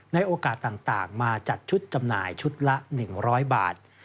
ในโอกาสต่างมาจัดชุดจำหน่ายชุดละ๑๐๐บาท